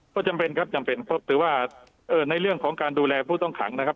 ก็จำเป็นครับจำเป็นครับถือว่าในเรื่องของการดูแลผู้ต้องขังนะครับ